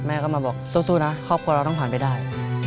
แม่ก็มาบอกสู้นะครอบครัวเราต้องผ่านไปได้